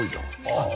あっ。